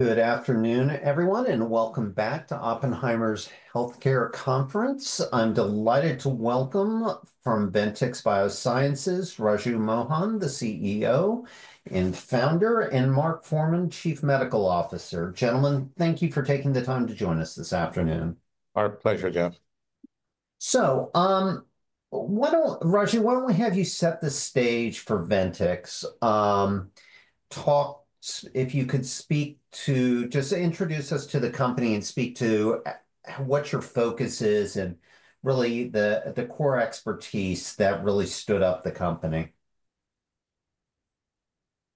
Good afternoon, everyone, and welcome back to Oppenheimer's Healthcare Conference. I'm delighted to welcome from Ventyx Biosciences, Raju Mohan, the CEO and founder, and Mark Forman, Chief Medical Officer. Gentlemen, thank you for taking the time to join us this afternoon. Our pleasure, Jeff. Raju, why don't we have you set the stage for Ventyx? If you could speak to just introduce us to the company and speak to what your focus is and really the core expertise that really stood up the company.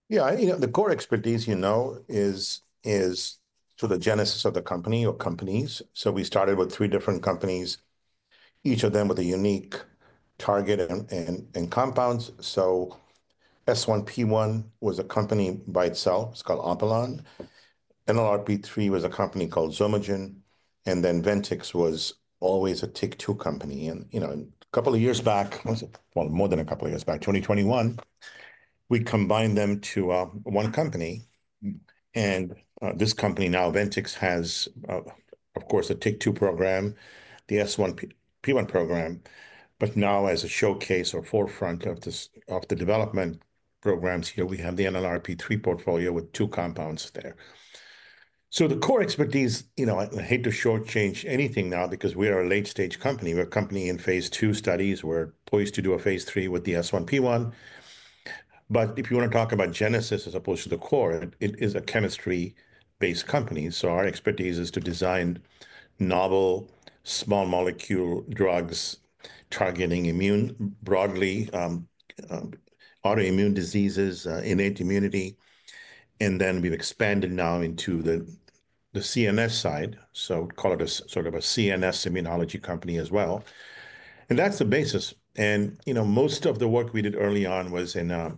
Yeah, you know, the core expertise, you know, is to the genesis of the company or companies. We started with three different companies, each of them with a unique target and compounds. S1P1 was a company by itself. It's called Oppilan. NLRP3 was a company called Zomogen. Ventyx was always a TYK2 company. You know, a couple of years back, more than a couple of years back, 2021, we combined them to one company. This company now, Ventyx, has, of course, a TYK2 program, the S1P1 program, but now as a showcase or forefront of the development programs here, we have the NLRP3 portfolio with two compounds there. The core expertise, you know, I hate to shortchange anything now because we are a late-stage company. We're a company in phase II studies. We're poised to do a phase III with the S1P1. If you want to talk about genesis as opposed to the core, it is a chemistry-based company. Our expertise is to design novel small molecule drugs targeting immune broadly, autoimmune diseases, innate immunity. We have expanded now into the CNS side. We would call it a sort of a CNS immunology company as well. That is the basis. You know, most of the work we did early on was in, I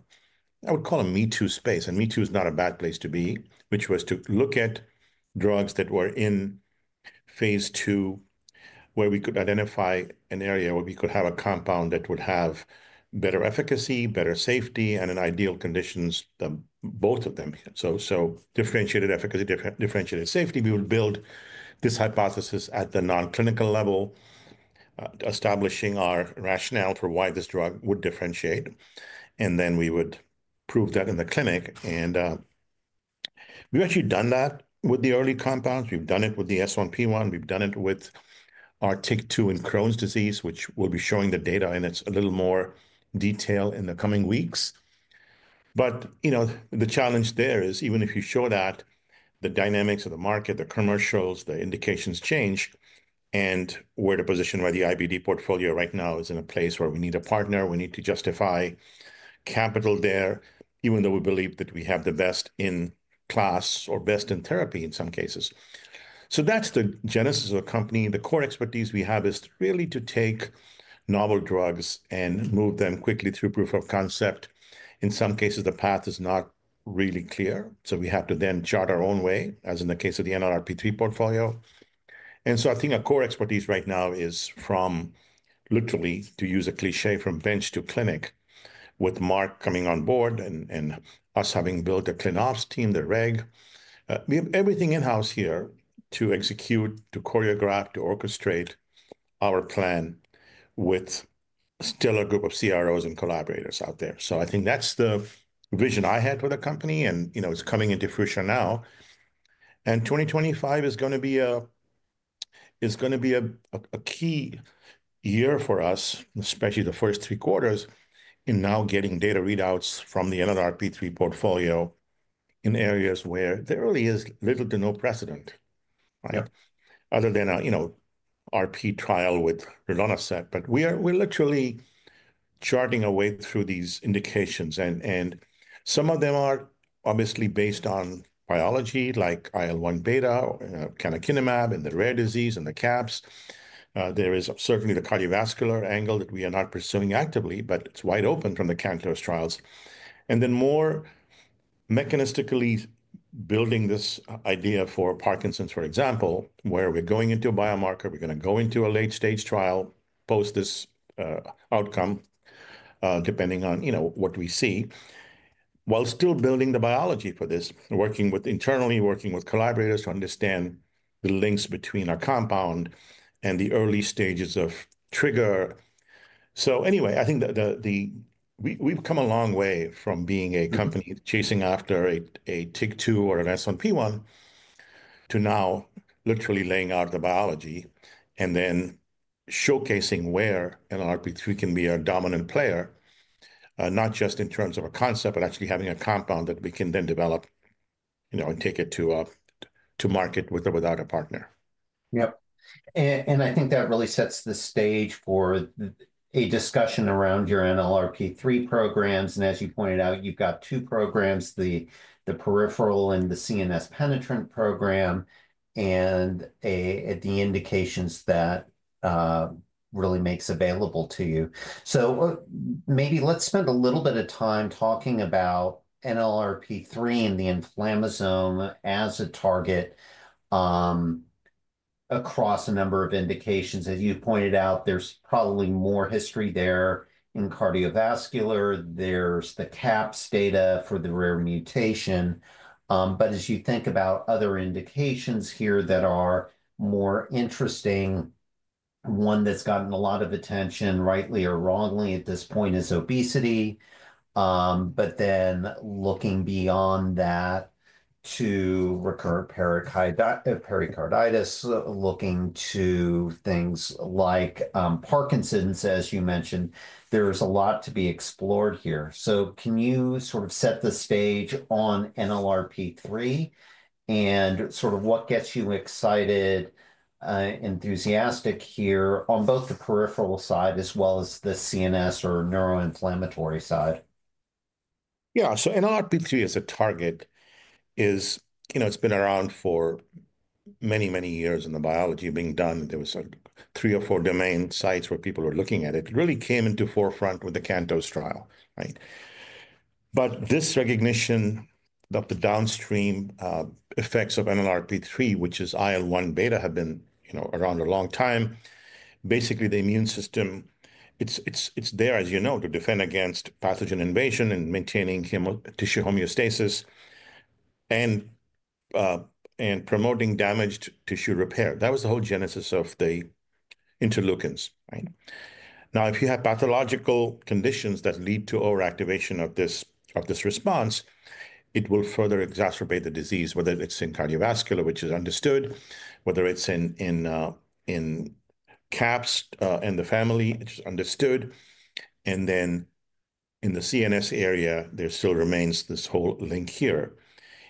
would call it a me-too space. Me-too is not a bad place to be, which was to look at drugs that were in phase II, where we could identify an area where we could have a compound that would have better efficacy, better safety, and in ideal conditions, both of them. Differentiated efficacy, differentiated safety. We would build this hypothesis at the non-clinical level, establishing our rationale for why this drug would differentiate. We would prove that in the clinic. We've actually done that with the early compounds. We've done it with the S1P1. We've done it with our TYK2 in Crohn's disease, which we'll be showing the data in a little more detail in the coming weeks. You know, the challenge there is even if you show that, the dynamics of the market, the commercials, the indications change. We're in a position where the IBD portfolio right now is in a place where we need a partner. We need to justify capital there, even though we believe that we have the best in class or best in therapy in some cases. That's the genesis of the company. The core expertise we have is really to take novel drugs and move them quickly through proof of concept. In some cases, the path is not really clear. We have to then chart our own way, as in the case of the NLRP3 portfolio. I think our core expertise right now is from literally, to use a cliché, from bench to clinic, with Mark coming on board and us having built a clean Ops team, the Reg. We have everything in-house here to execute, to choreograph, to orchestrate our plan with still a group of CROs and collaborators out there. I think that's the vision I had for the company. You know, it's coming into fruition now. 2025 is going to be a key year for us, especially the first three quarters, in now getting data readouts from the NLRP3 portfolio in areas where there really is little to no precedent, right? Other than, you know, RP trial with Rilonacept. We're literally charting our way through these indications. Some of them are obviously based on biology, like IL-1 beta, canakinumab, and the rare disease and the CAPS. There is certainly the cardiovascular angle that we are not pursuing actively, but it's wide open from the cancerous trials. More mechanistically, building this idea for Parkinson's, for example, where we're going into a biomarker, we're going to go into a late-stage trial, post this outcome, depending on, you know, what we see, while still building the biology for this, working internally, working with collaborators to understand the links between our compound and the early stages of trigger. I think we've come a long way from being a company chasing after a TYK2 or an S1P1 to now literally laying out the biology and then showcasing where NLRP3 can be a dominant player, not just in terms of a concept, but actually having a compound that we can then develop, you know, and take it to market with or without a partner. I think that really sets the stage for a discussion around your NLRP3 programs. As you pointed out, you've got two programs, the peripheral and the CNS penetrant program, and the indications that really make available to you. Maybe let's spend a little bit of time talking about NLRP3 and the inflammasome as a target across a number of indications. As you pointed out, there's probably more history there in cardiovascular. There's the CAPS data for the rare mutation. As you think about other indications here that are more interesting, one that's gotten a lot of attention, rightly or wrongly at this point, is obesity. Looking beyond that to recurrent pericarditis, looking to things like Parkinson's, as you mentioned, there's a lot to be explored here. Can you sort of set the stage on NLRP3 and sort of what gets you excited, enthusiastic here on both the peripheral side as well as the CNS or neuroinflammatory side? Yeah. NLRP3 as a target is, you know, it's been around for many, many years in the biology being done. There were sort of three or four domain sites where people were looking at it. It really came into forefront with the CANTOS trial, right? This recognition of the downstream effects of NLRP3, which is IL-1 beta, have been, you know, around a long time. Basically, the immune system, it's there, as you know, to defend against pathogen invasion and maintaining tissue homeostasis and promoting damaged tissue repair. That was the whole genesis of the interleukins, right? Now, if you have pathological conditions that lead to overactivation of this response, it will further exacerbate the disease, whether it's in cardiovascular, which is understood, whether it's in CAPS and the family, which is understood. In the CNS area, there still remains this whole link here.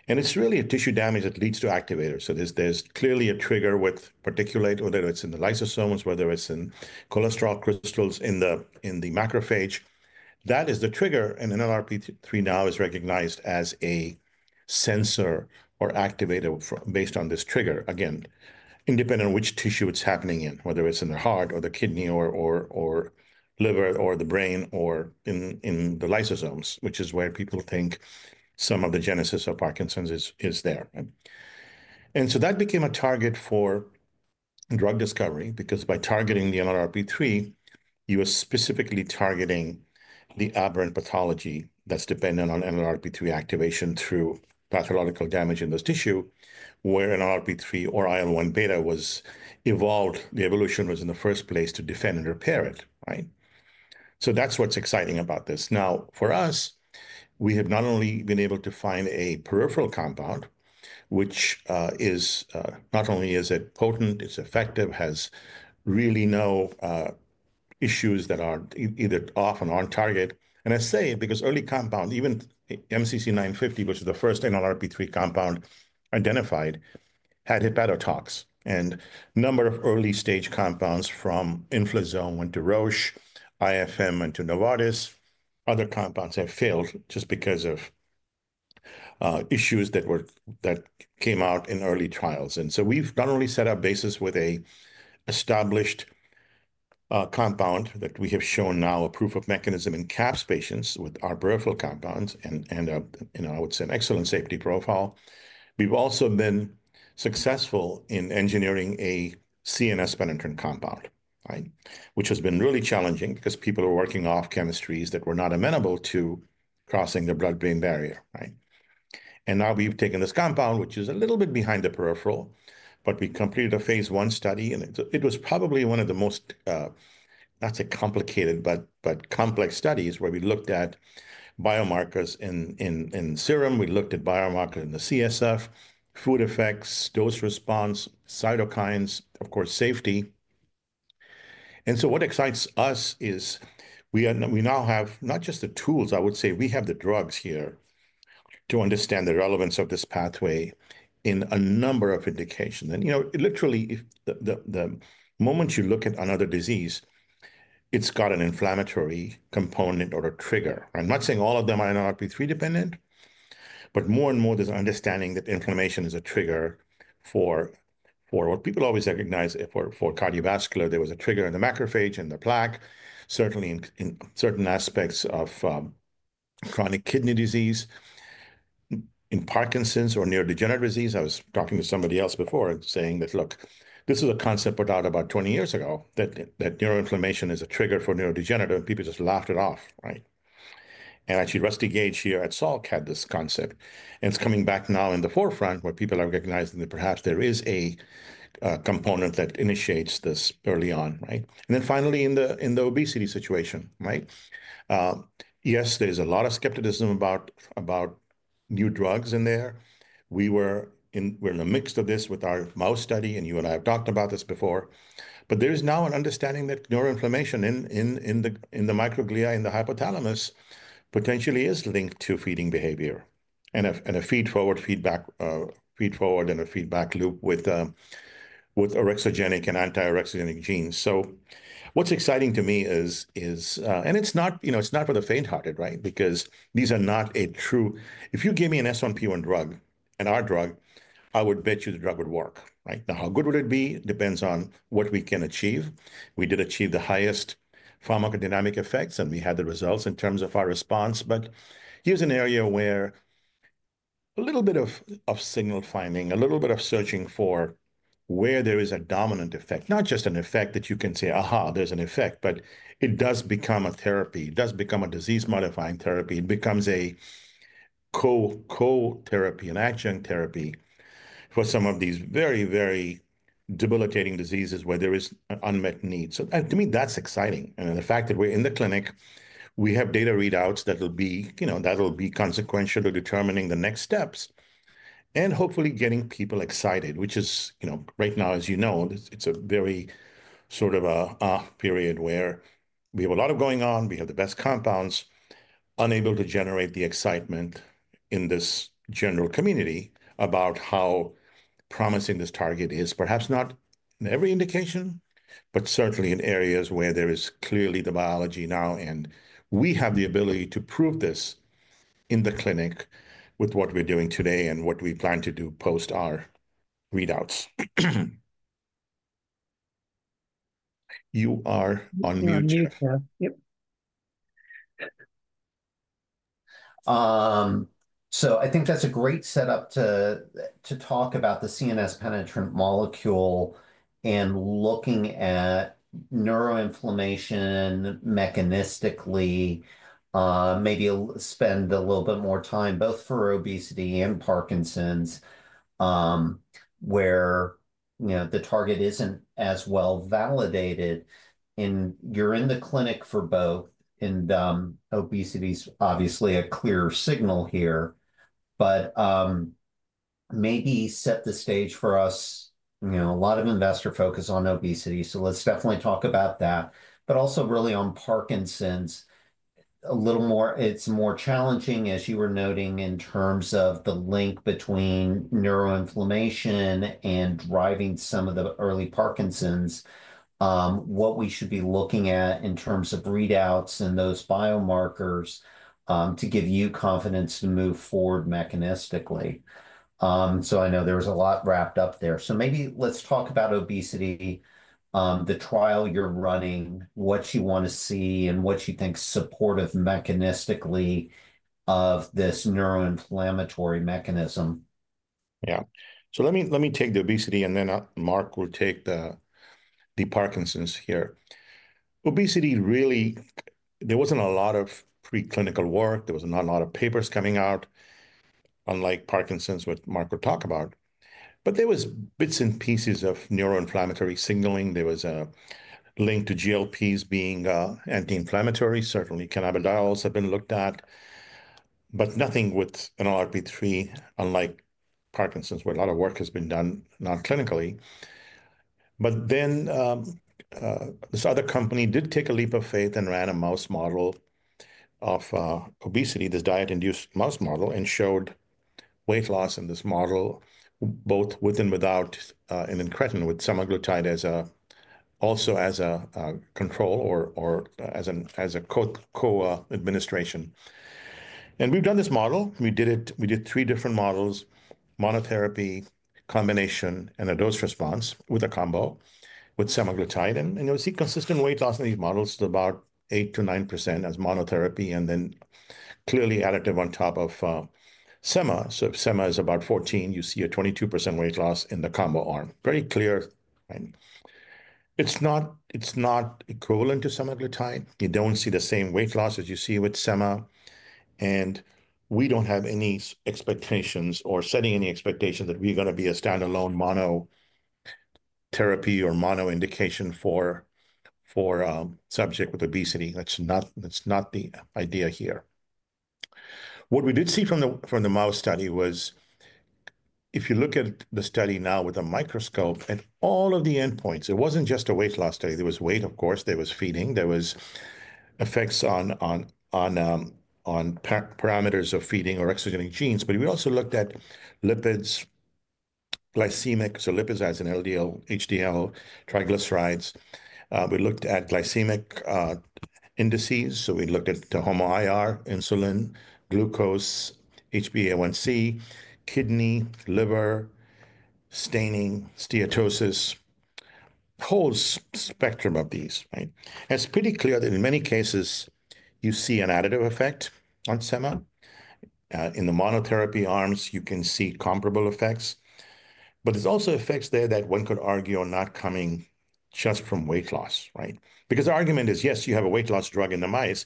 It is really a tissue damage that leads to activators. There is clearly a trigger with particulate, whether it is in the lysosomes, whether it is in cholesterol crystals in the macrophage. That is the trigger. NLRP3 now is recognized as a sensor or activator based on this trigger, again, independent of which tissue it is happening in, whether it is in the heart or the kidney or liver or the brain or in the lysosomes, which is where people think some of the genesis of Parkinson's is. That became a target for drug discovery because by targeting the NLRP3, you are specifically targeting the aberrant pathology that is dependent on NLRP3 activation through pathological damage in the tissue, where NLRP3 or IL-1 beta was evolved. The evolution was in the first place to defend and repair it, right? That is what is exciting about this. Now, for us, we have not only been able to find a peripheral compound, which is not only is it potent, it's effective, has really no issues that are either off and on target. I say because early compound, even MCC950, which is the first NLRP3 compound identified, had hepatotox. A number of early-stage compounds from Inflizome went to Roche, IFM went to Novartis. Other compounds have failed just because of issues that came out in early trials. We have not only set our basis with an established compound that we have shown now a proof of mechanism in CAPS patients with our peripheral compounds and, you know, I would say an excellent safety profile. We have also been successful in engineering a CNS penetrant compound, right, which has been really challenging because people are working off chemistries that were not amenable to crossing the blood-brain barrier, right? We have taken this compound, which is a little bit behind the peripheral, but we completed a phase I study. It was probably one of the most, not to say complicated, but complex studies where we looked at biomarkers in serum. We looked at biomarkers in the CSF, food effects, dose response, cytokines, of course, safety. What excites us is we now have not just the tools, I would say, we have the drugs here to understand the relevance of this pathway in a number of indications. You know, literally, the moment you look at another disease, it has an inflammatory component or a trigger. I am not saying all of them are NLRP3 dependent, but more and more there is an understanding that inflammation is a trigger for what people always recognize for cardiovascular. There was a trigger in the macrophage and the plaque, certainly in certain aspects of chronic kidney disease, in Parkinson's or neurodegenerative disease. I was talking to somebody else before and saying that, look, this is a concept put out about 20 years ago that neuroinflammation is a trigger for neurodegenerative, and people just laughed it off, right? Actually, Rusty Gage here at Salk had this concept. It is coming back now in the forefront where people are recognizing that perhaps there is a component that initiates this early on, right? Finally in the obesity situation, right? Yes, there is a lot of skepticism about new drugs in there. We were in the mix of this with our mouse study, and you and I have talked about this before. There is now an understanding that neuroinflammation in the microglia in the hypothalamus potentially is linked to feeding behavior and a feed-forward feedback loop with orexigenic and anti-orexigenic genes. What's exciting to me is, and it's not, you know, it's not for the faint-hearted, right? Because these are not a true, if you gave me an S1P1 drug, an R drug, I would bet you the drug would work, right? Now, how good would it be depends on what we can achieve. We did achieve the highest pharmacodynamic effects, and we had the results in terms of our response. Here's an area where a little bit of signal finding, a little bit of searching for where there is a dominant effect, not just an effect that you can say, aha, there's an effect, but it does become a therapy. It does become a disease-modifying therapy. It becomes a co-therapy, an adjunct therapy for some of these very, very debilitating diseases where there is an unmet need. To me, that's exciting. The fact that we're in the clinic, we have data readouts that will be, you know, that'll be consequential to determining the next steps and hopefully getting people excited, which is, you know, right now, as you know, it's a very sort of a period where we have a lot going on. We have the best compounds unable to generate the excitement in this general community about how promising this target is, perhaps not in every indication, but certainly in areas where there is clearly the biology now. We have the ability to prove this in the clinic with what we're doing today and what we plan to do post our readouts. You are on mute. I think that's a great setup to talk about the CNS penetrant molecule and looking at neuroinflammation mechanistically, maybe spend a little bit more time both for obesity and Parkinson's, where, you know, the target isn't as well validated. You're in the clinic for both. Obesity is obviously a clear signal here. Maybe set the stage for us, you know, a lot of investor focus on obesity. Let's definitely talk about that. Also really on Parkinson's, a little more, it's more challenging, as you were noting, in terms of the link between neuroinflammation and driving some of the early Parkinson's, what we should be looking at in terms of readouts and those biomarkers to give you confidence to move forward mechanistically. I know there was a lot wrapped up there. Maybe let's talk about obesity, the trial you're running, what you want to see, and what you think is supportive mechanistically of this neuroinflammatory mechanism. Yeah. Let me take the obesity, and then Mark will take the Parkinson's here. Obesity, really, there wasn't a lot of preclinical work. There was not a lot of papers coming out, unlike Parkinson's, which Mark will talk about. There were bits and pieces of neuroinflammatory signaling. There was a link to GLPs being anti-inflammatory. Certainly, cannabidiols have been looked at, but nothing with NLRP3, unlike Parkinson's, where a lot of work has been done non-clinically. This other company did take a leap of faith and ran a mouse model of obesity, this diet-induced mouse model, and showed weight loss in this model, both with and without and in creatinine with semaglutide also as a control or as a co-administration. We have done this model. We did three different models, monotherapy, combination, and a dose response with a combo with semaglutide. You will see consistent weight loss in these models to about 8%-9% as monotherapy and then clearly additive on top of Sema. If Sema is about 14%, you see a 22% weight loss in the combo arm. Very clear, right? It is not equivalent to semaglutide. You do not see the same weight loss as you see with Sema. We do not have any expectations or are setting any expectations that we are going to be a standalone monotherapy or mono indication for a subject with obesity. That is not the idea here. What we did see from the mouse study was, if you look at the study now with a microscope at all of the endpoints, it was not just a weight loss study. There was weight, of course. There was feeding. There were effects on parameters of feeding or exogenic genes. We also looked at lipids, glycemic, so lipids as in LDL, HDL, triglycerides. We looked at glycemic indices. We looked at the HOMA-IR, insulin, glucose, HbA1c, kidney, liver, staining, steatosis, whole spectrum of these, right? It is pretty clear that in many cases, you see an additive effect on Sema. In the monotherapy arms, you can see comparable effects. There are also effects there that one could argue are not coming just from weight loss, right? The argument is, yes, you have a weight loss drug in the mice,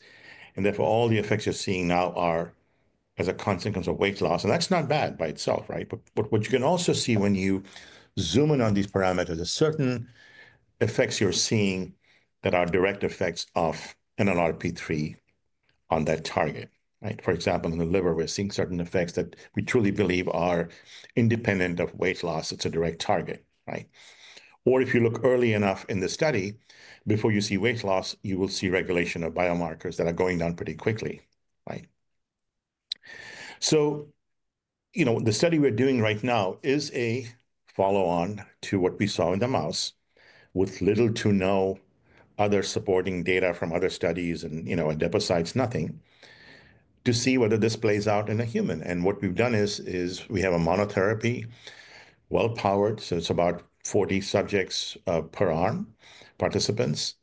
and therefore all the effects you are seeing now are as a consequence of weight loss. That is not bad by itself, right? What you can also see when you zoom in on these parameters are certain effects you are seeing that are direct effects of NLRP3 on that target, right? For example, in the liver, we're seeing certain effects that we truly believe are independent of weight loss. It's a direct target, right? If you look early enough in the study, before you see weight loss, you will see regulation of biomarkers that are going down pretty quickly, right? You know, the study we're doing right now is a follow-on to what we saw in the mouse with little to no other supporting data from other studies and, you know, adipocytes, nothing, to see whether this plays out in a human. What we've done is we have a monotherapy, well-powered. It's about 40 subjects per arm, participants.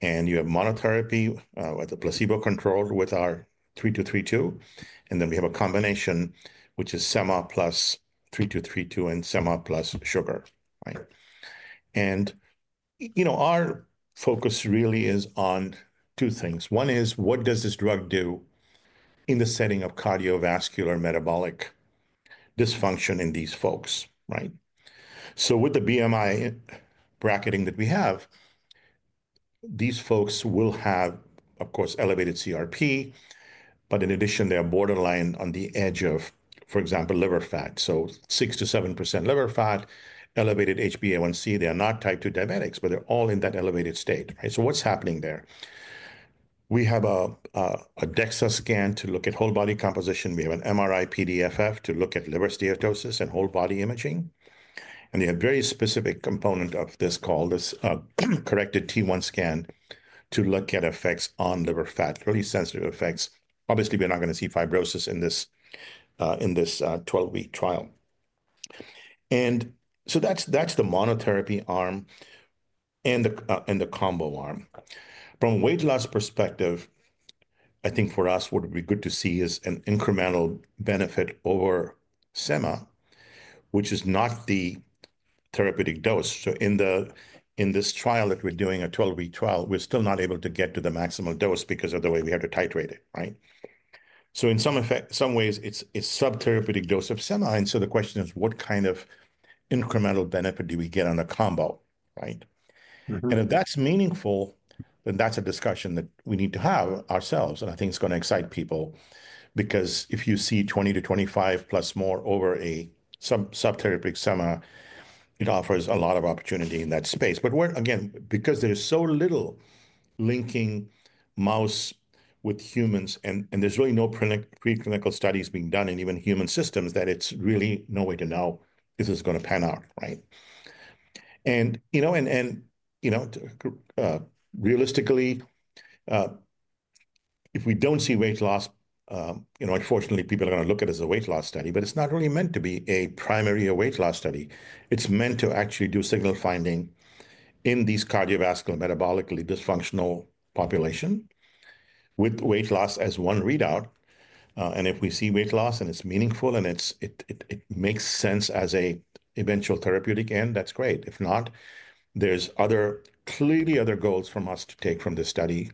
You have monotherapy with a placebo control with our 3232. Then we have a combination, which is Sema + 3232 and Sema + sugar, right? You know, our focus really is on two things. One is, what does this drug do in the setting of cardiovascular metabolic dysfunction in these folks, right? With the BMI bracketing that we have, these folks will have, of course, elevated CRP, but in addition, they're borderline on the edge of, for example, liver fat. So 6%-7% liver fat, elevated HbA1c. They are not type II diabetics, but they're all in that elevated state, right? What's happening there? We have a DEXA scan to look at whole body composition. We have an MRI PDFF to look at liver steatosis and whole body imaging. They have a very specific component of this called this corrected T1 scan to look at effects on liver fat, really sensitive effects. Obviously, we're not going to see fibrosis in this 12-week trial. That's the monotherapy arm and the combo arm. From a weight loss perspective, I think for us, what would be good to see is an incremental benefit over Sema, which is not the therapeutic dose. In this trial that we're doing, a 12-week trial, we're still not able to get to the maximal dose because of the way we have to titrate it, right? In some ways, it's a subtherapeutic dose of Sema. The question is, what kind of incremental benefit do we get on a combo, right? If that's meaningful, then that's a discussion that we need to have ourselves. I think it's going to excite people because if you see 20%-25% more over a subtherapeutic Sema, it offers a lot of opportunity in that space. Again, because there's so little linking mouse with humans, and there's really no preclinical studies being done in even human systems, that it's really no way to know if this is going to pan out, right? You know, realistically, if we don't see weight loss, you know, unfortunately, people are going to look at it as a weight loss study, but it's not really meant to be a primary or weight loss study. It's meant to actually do signal finding in these cardiovascular metabolically dysfunctional population with weight loss as one readout. If we see weight loss and it's meaningful and it makes sense as an eventual therapeutic end, that's great. If not, there's clearly other goals for us to take from this study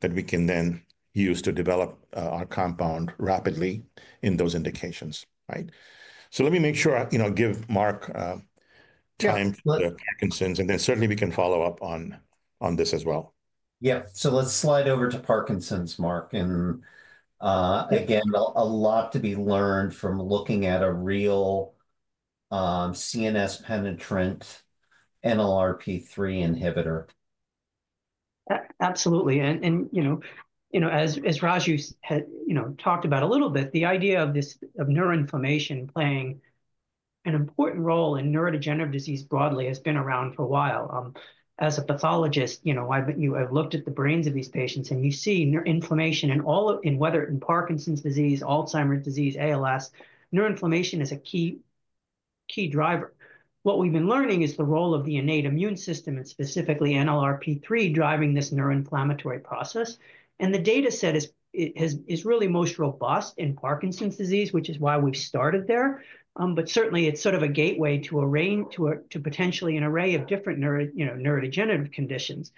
that we can then use to develop our compound rapidly in those indications, right? Let me make sure, you know, give Mark time for the Parkinson's, and then certainly we can follow up on this as well. Yeah. Let's slide over to Parkinson's, Mark. And again, a lot to be learned from looking at a real CNS penetrant NLRP3 inhibitor. Absolutely. You know, as Raju had talked about a little bit, the idea of neuroinflammation playing an important role in neurodegenerative disease broadly has been around for a while. As a pathologist, you know, I've looked at the brains of these patients, and you see inflammation in whether in Parkinson's disease, Alzheimer's disease, ALS, neuroinflammation is a key driver. What we've been learning is the role of the innate immune system and specifically NLRP3 driving this neuroinflammatory process. The data set is really most robust in Parkinson's disease, which is why we started there. Certainly, it's sort of a gateway to potentially an array of different neurodegenerative conditions.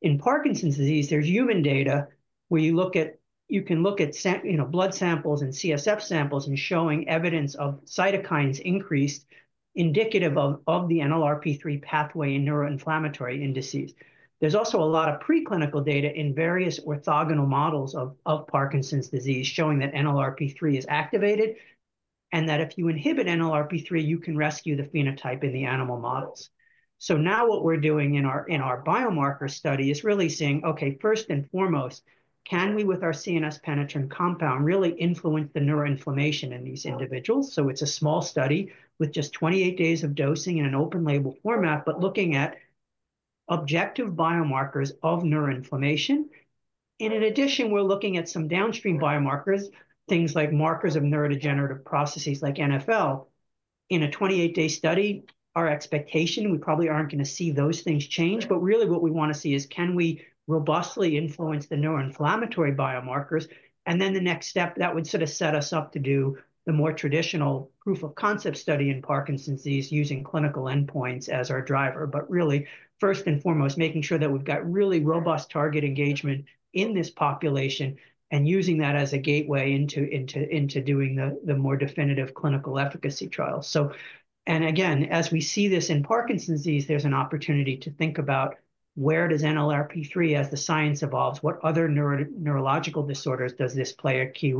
In Parkinson's disease, there's human data where you look at, you can look at, you know, blood samples and CSF samples showing evidence of cytokines increased indicative of the NLRP3 pathway in neuroinflammatory indices. There's also a lot of preclinical data in various orthogonal models of Parkinson's disease showing that NLRP3 is activated and that if you inhibit NLRP3, you can rescue the phenotype in the animal models. What we're doing in our biomarker study is really seeing, okay, first and foremost, can we, with our CNS penetrant compound, really influence the neuroinflammation in these individuals? It is a small study with just 28 days of dosing in an open label format, but looking at objective biomarkers of neuroinflammation. In addition, we're looking at some downstream biomarkers, things like markers of neurodegenerative processes like NFL. In a 28-day study, our expectation, we probably aren't going to see those things change. What we want to see is, can we robustly influence the neuroinflammatory biomarkers? The next step, that would sort of set us up to do the more traditional proof of concept study in Parkinson's disease using clinical endpoints as our driver. Really, first and foremost, making sure that we've got really robust target engagement in this population and using that as a gateway into doing the more definitive clinical efficacy trials. Again, as we see this in Parkinson's disease, there's an opportunity to think about where does NLRP3, as the science evolves, what other neurological disorders does this play a key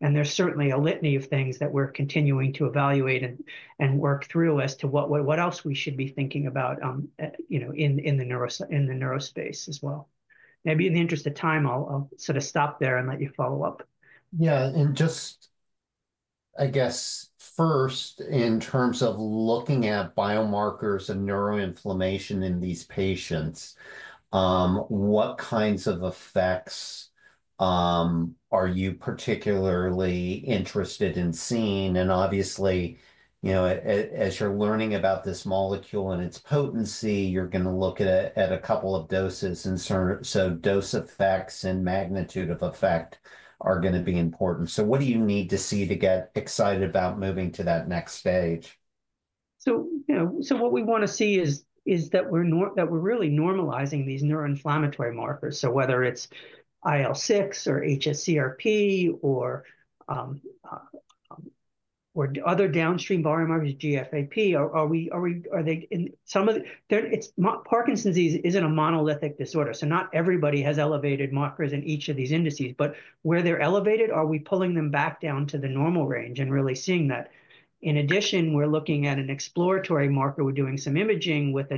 role? There's certainly a litany of things that we're continuing to evaluate and work through as to what else we should be thinking about, you know, in the neuro space as well. Maybe in the interest of time, I'll sort of stop there and let you follow up. And just, I guess, first, in terms of looking at biomarkers and neuroinflammation in these patients, what kinds of effects are you particularly interested in seeing? Obviously, you know, as you're learning about this molecule and its potency, you're going to look at a couple of doses. Dose effects and magnitude of effect are going to be important. What do you need to see to get excited about moving to that next stage? You know, what we want to see is that we're really normalizing these neuroinflammatory markers. Whether it's IL-6 or HSCRP or other downstream biomarkers, GFAP, are they in some of the Parkinson's disease isn't a monolithic disorder. Not everybody has elevated markers in each of these indices. Where they're elevated, are we pulling them back down to the normal range and really seeing that? In addition, we're looking at an exploratory marker. We're doing some imaging with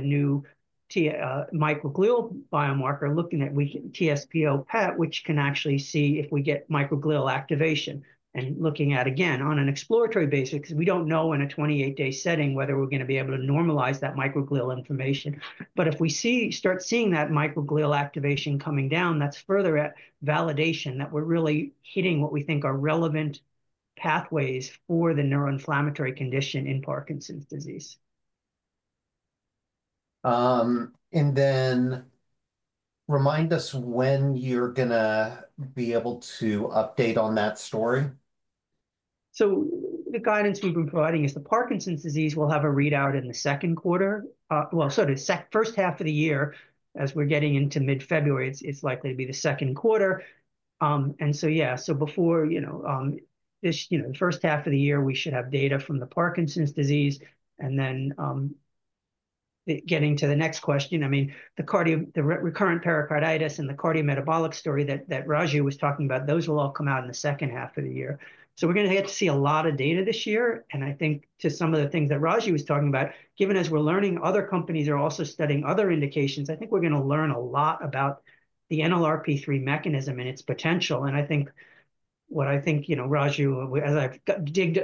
a new microglial biomarker looking at TSPO-PET, which can actually see if we get microglial activation. Looking at, again, on an exploratory basis, because we don't know in a 28-day setting whether we're going to be able to normalize that microglial information. If we start seeing that microglial activation coming down, that's further validation that we're really hitting what we think are relevant pathways for the neuroinflammatory condition in Parkinson's disease. Remind us when you're going to be able to update on that story. The guidance we've been providing is the Parkinson's disease will have a readout in the second quarter. The first half of the year, as we're getting into mid-February, it's likely to be the second quarter. Yeah, before the first half of the year, we should have data from the Parkinson's disease. Getting to the next question, I mean, the recurrent pericarditis and the cardiometabolic story that Raju was talking about, those will all come out in the second half of the year. We're going to get to see a lot of data this year. I think to some of the things that Raju was talking about, given as we're learning, other companies are also studying other indications, I think we're going to learn a lot about the NLRP3 mechanism and its potential. I think what I think, you know, Raju, as I've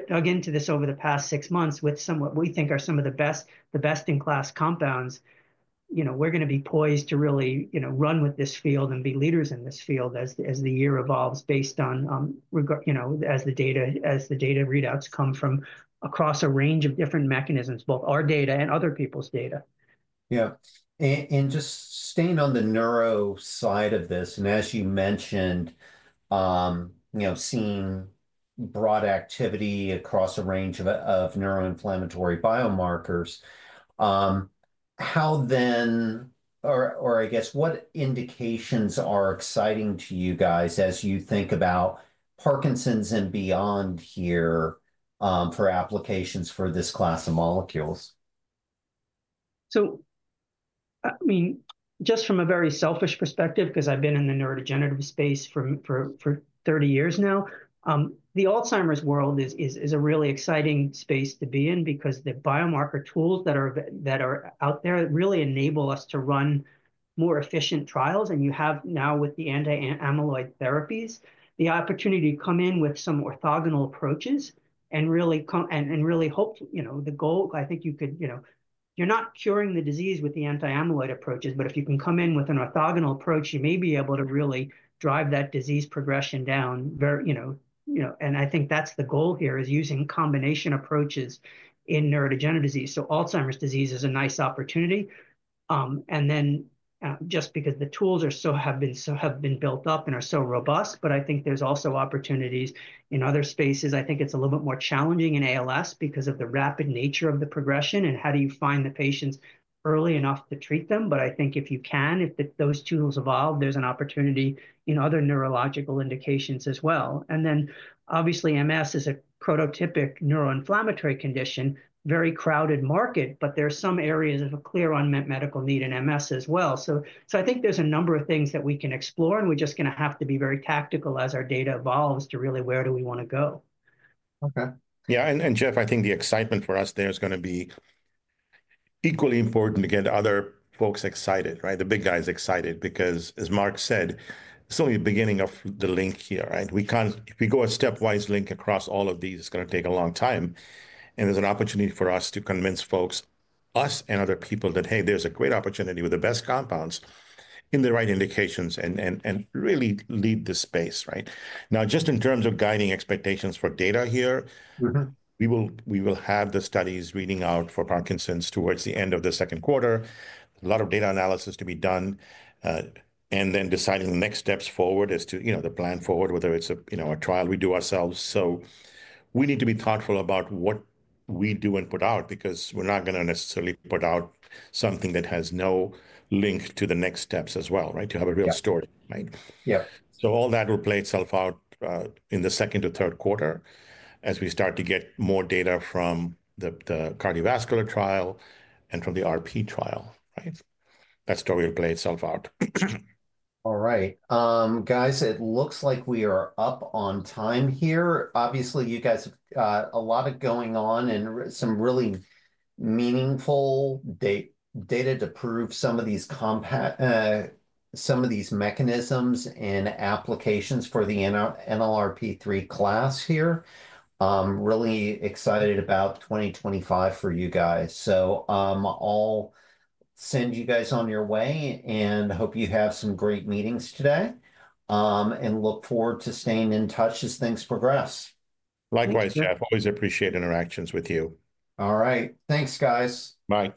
dug into this over the past six months with some what we think are some of the best-in-class compounds, you know, we're going to be poised to really, you know, run with this field and be leaders in this field as the year evolves based on, you know, as the data readouts come from across a range of different mechanisms, both our data and other people's data. Yeah. Just staying on the neuro side of this, and as you mentioned, you know, seeing broad activity across a range of neuroinflammatory biomarkers, how then, or I guess, what indications are exciting to you guys as you think about Parkinson's and beyond here for applications for this class of molecules? I mean, just from a very selfish perspective, because I've been in the neurodegenerative space for 30 years now, the Alzheimer's world is a really exciting space to be in because the biomarker tools that are out there really enable us to run more efficient trials. You have now with the anti-amyloid therapies, the opportunity to come in with some orthogonal approaches and really hope, you know, the goal, I think you could, you know, you're not curing the disease with the anti-amyloid approaches, but if you can come in with an orthogonal approach, you may be able to really drive that disease progression down, you know, and I think that's the goal here is using combination approaches in neurodegenerative disease. Alzheimer's disease is a nice opportunity. Just because the tools have been built up and are so robust, I think there's also opportunities in other spaces. I think it's a little bit more challenging in ALS because of the rapid nature of the progression and how do you find the patients early enough to treat them. I think if you can, if those tools evolve, there's an opportunity in other neurological indications as well. Obviously, MS is a prototypic neuroinflammatory condition, very crowded market, but there are some areas of a clear unmet medical need in MS as well. I think there's a number of things that we can explore, and we're just going to have to be very tactical as our data evolves to really where do we want to go. Yeah. Jeff, I think the excitement for us there is going to be equally important. Again, other folks excited, right? The big guy is excited because, as Mark said, it's only the beginning of the link here, right? If we go a stepwise link across all of these, it's going to take a long time. There is an opportunity for us to convince folks, us and other people that, hey, there's a great opportunity with the best compounds in the right indications and really lead the space, right? Now, just in terms of guiding expectations for data here, we will have the studies reading out for Parkinson's towards the end of the second quarter. A lot of data analysis to be done. Then deciding the next steps forward as to, you know, the plan forward, whether it's a, you know, a trial we do ourselves. We need to be thoughtful about what we do and put out because we're not going to necessarily put out something that has no link to the next steps as well, right? To have a real story, right? All that will play itself out in the second to third quarter as we start to get more data from the cardiovascular trial and from the RP trial, right? That story will play itself out. All right. Guys, it looks like we are up on time here. Obviously, you guys have a lot going on and some really meaningful data to prove some of these mechanisms and applications for the NLRP3 class here. Really excited about 2025 for you guys. I will send you guys on your way and hope you have some great meetings today and look forward to staying in touch as things progress. Likewise, Jeff. Always appreciate interactions with you. All right. Thanks, guys. Bye.